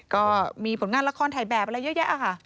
ก็มีผลงานละคอลไทยแบบอะไรเยอะค่ะ